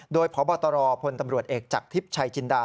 โดยพบตรพลตำรวจเอกจากทิพย์ชัยจินดา